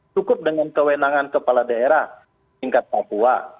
cukup dengan kewenangan kepala daerah tingkat papua